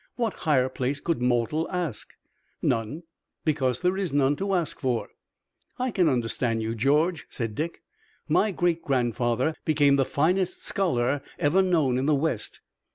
What higher place could mortal ask? None, because there is none to ask for." "I can understand you, George," said Dick. "My great grandfather became the finest scholar ever known in the West.